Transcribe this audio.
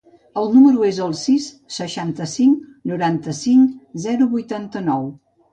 El meu número es el sis, seixanta-cinc, noranta-cinc, zero, vuitanta-nou.